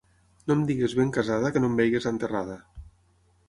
No em diguis ben casada, que no em vegis enterrada.